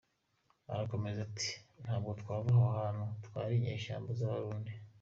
Arakomeza, ati “Ntabwo twava aho hantu hari inyeshyamba z’Abarundi”.